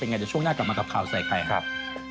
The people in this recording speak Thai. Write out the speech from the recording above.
ยังไงเดี๋ยวช่วงหน้ากลับมากับข่าวใส่ไข่ครับ